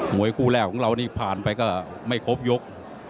วยคู่แรกของเรานี่ผ่านไปก็ไม่ครบยก